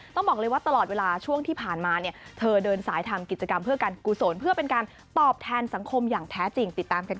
ต้องบอกเลยว่าตลอดเวลาช่วงที่ผ่านมาเนี่ยเธอเดินสายทำกิจกรรมเพื่อการกุศลเพื่อเป็นการตอบแทนสังคมอย่างแท้จริงติดตามกันค่ะ